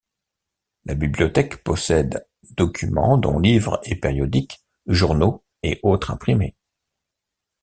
La bibliothèque possède documents, dont livres et périodiques, journaux et autres imprimés.